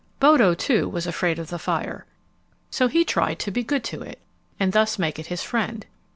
Bodo, too, was afraid of the fire. So he tried to be good to it and thus make it his friend.